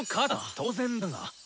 当然だが。